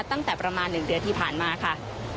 ตั้งแต่ประมาณ๑เดือนที่ผ่านมาค่ะ